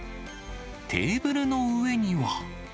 テーブルの上には。